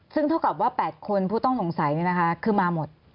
ซึ่งเท่ากับว่า๘คนผู้ต้องสงสัยคือมาหมด